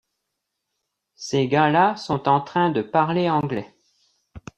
Ces gars-là sont en train de parler anglais.